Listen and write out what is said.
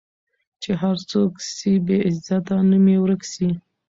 چي هر څوک سي بې عزته نوم یې ورک سي